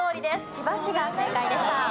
千葉市が正解でした。